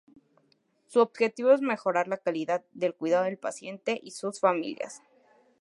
Su objetivo es mejorar la calidad del cuidado al paciente y sus familias.